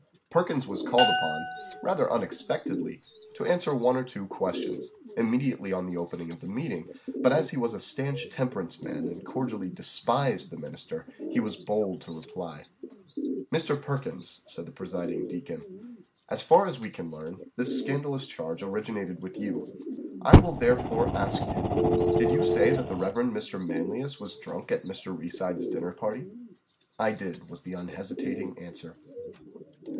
Perkins was called upon, rather unexpectedly, to answer one or two questions, immediately on the opening of the meeting, but as he was a stanch temperance man, and cordially despised the minister, he was bold to reply. "Mr. Perkins," said the presiding deacon, "as far as we can learn, this scandalous charge originated with you: I will, therefore, ask you did you say that the Rev. Mr. Manlius was drunk at Mr. Reeside's dinner party?" "I did," was the unhesitating answer.